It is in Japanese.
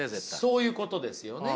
そういうことですよね。